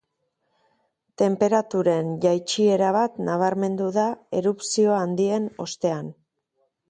Tenperaturen jaitsiera bat nabarmendu da erupzio handien ostean.